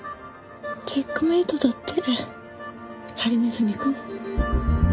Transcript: チェックメイトだってハリネズミ君。